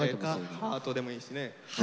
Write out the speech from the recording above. ハートでもいいしね。